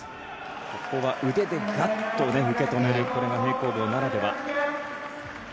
ここは腕で受け止めるこれが平行棒ならでは。